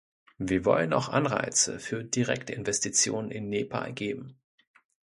Wir wollen auch Anreize für Direktinvestitionen in Nepal geben.